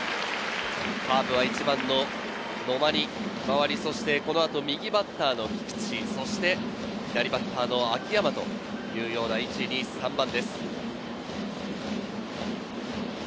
カープは１番の野間に代わり、そしてこのあと右バッターの菊池、そして左バッターの秋山というような１、２、３番です。